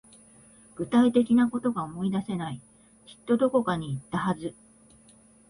具体的なことが思い出せない。きっとどこかに行ったはず。